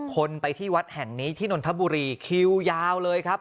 คนไปที่วัดแห่งนี้ที่นนทบุรีคิวยาวเลยครับ